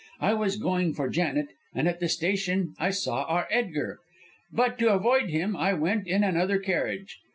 I was going for Janet, and at the station I saw our Edgar; but to avoid him I went in another carriage.